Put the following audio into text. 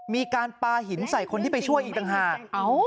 มีการปลาหินใส่คนที่ไปช่วยอีกต่างหาก